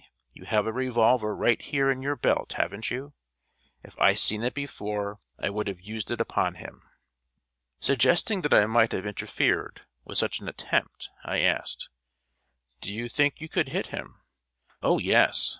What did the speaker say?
you have a revolver right here in your belt, haven't you? If I seen it before, I would have used it upon him!" Suggesting that I might have interfered with such an attempt, I asked: "Do you think you could hit him?" "O, yes!